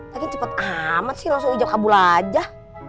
lagi cepet amat sih langsung ijab kabur aja